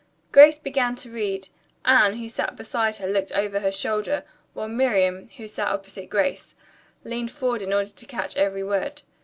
Grace began to read. Anne, who sat beside her, looked over her shoulder, while Miriam, who sat opposite Grace, leaned forward in order to catch every word.